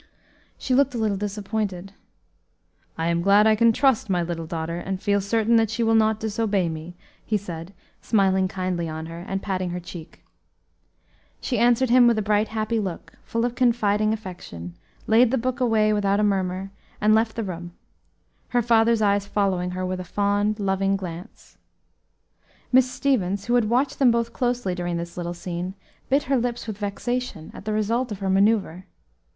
She looked a little disappointed. "I am glad I can trust my little daughter, and feel certain that she will not disobey me," he said, smiling kindly on her, and patting her cheek. She answered him with a bright, happy look, full of confiding affection, laid the book away without a murmur, and left the room her father's eyes following her with a fond, loving glance. Miss Stevens, who had watched them both closely during this little scene, bit her lips with vexation at the result of her manoeuvre.